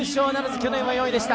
去年は４位でした。